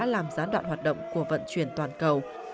làm gián đoạn hoạt động của vận chuyển toàn cầu